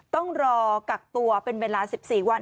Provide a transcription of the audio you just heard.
ต้องรอกักตัวเป็นเวลา๑๔วัน